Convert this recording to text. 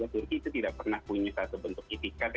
turki itu juga tidak pernah punya satu bentuk itikad